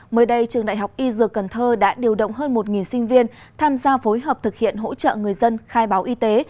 mới đây trường đại học y dược cần thơ đã điều động hơn một sinh viên tham gia phối hợp thực hiện hỗ trợ người dân khai báo y tế